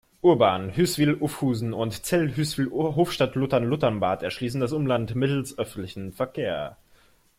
Urban", "Hüswil-Ufhusen" und "Zell-Hüswil-Hofstatt-Luthern-Luthern Bad" erschliessen das Umland mittels öffentlichem Verkehr.